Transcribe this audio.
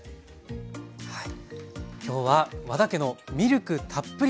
今日は和田家の「ミルクたっぷり大作戦！」